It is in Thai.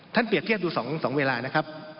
เปรียบเทียบดู๒เวลานะครับ